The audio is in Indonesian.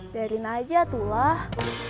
biarin aja atu lah